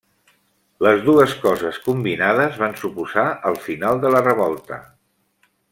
Les dues coses combinades van suposar el final de la revolta.